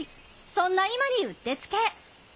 そんな今に、うってつけ！